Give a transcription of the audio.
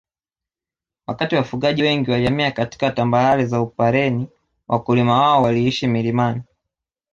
Wakati wafugaji wengi walihamia katika tambarare za Upareni Wakulima wao waliishi milimani